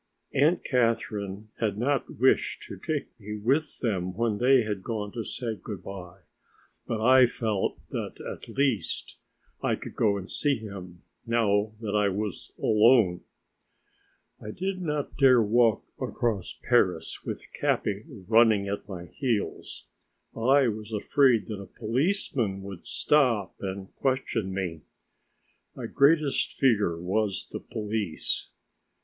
Aunt Catherine had not wished to take me with them when they had gone to say good by, but I felt that, at least, I could go and see him now that I was alone. I did not dare walk across Paris with Capi running at my heels. I was afraid that a policeman would stop and question me. My greatest fear was the police.